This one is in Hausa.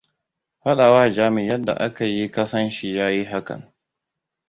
faɗawa Jami yadda aka yi kasan shi ya yi hakan.